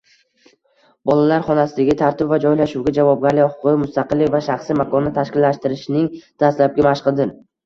Bolalar xonasidagi tartib va joylashuvga javobgarlik huquqi – mustaqillik va shaxsiy makonni tashkillashtirishning dastlabki mashqidir.